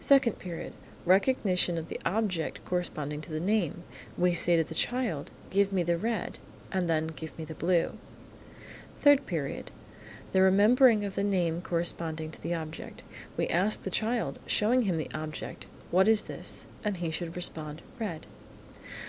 Second Period. Recognition of the object corresponding to the name. We say to the child, "Give me the red," and then, "Give me the blue." Third Period. The remembering of the name corresponding to the object. We ask the child, showing him the object, "What is this?" and he should respond, "Red."